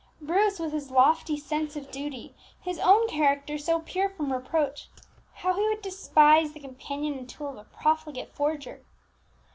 Bruce, with his lofty sense of duty, his own character so pure from reproach, how he would despise the companion and tool of a profligate forger!